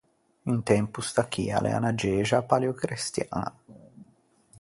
Un tempo sta chì a l’ea unna gexa paleocrestiaña.